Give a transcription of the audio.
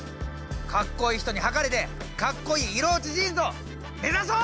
かっこいい人にはかれてかっこいい色落ちジーンズを目指そう！